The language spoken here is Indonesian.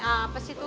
apa sih itu